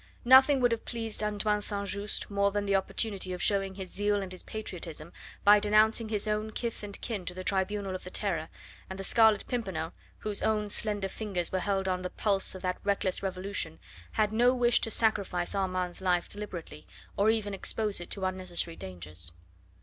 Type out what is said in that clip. Nothing would have pleased Antoine St. Just more than the opportunity of showing his zeal and his patriotism by denouncing his own kith and kin to the Tribunal of the Terror, and the Scarlet Pimpernel, whose own slender fingers were held on the pulse of that reckless revolution, had no wish to sacrifice Armand's life deliberately, or even to expose it to unnecessary dangers.